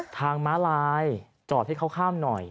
ม้าลายจอดให้เขาข้ามหน่อย